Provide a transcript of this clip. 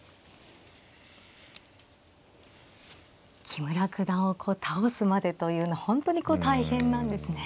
木村九段を倒すまでというのは本当に大変なんですね。